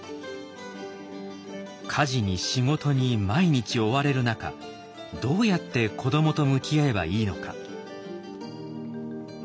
家事に仕事に毎日追われる中どうやって子どもと向き合えばいいのか。